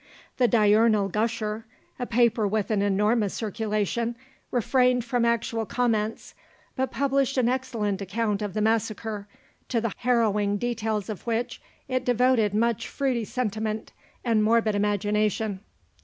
THE DIURNAL GUSHER, a paper with an enormous circulation, refrained from actual comments but published an excellent account of the massacre, to the harrowing details of which it devoted much fruity sentiment and morbid imagination.